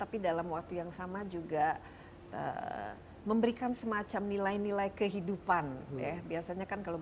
berwaktu yang sama juga memberikan semacam nilai nilai kehidupan ya biasanya kan kalau